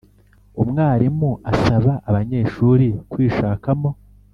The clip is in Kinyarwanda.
Umwarimu asaba abanyeshuri kwishakamo